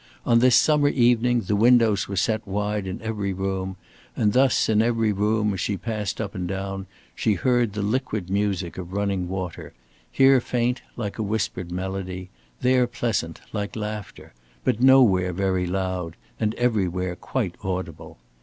On this summer evening the windows were set wide in every room, and thus in every room, as she passed up and down, she heard the liquid music of running water, here faint, like a whispered melody, there pleasant, like laughter, but nowhere very loud, and everywhere quite audible.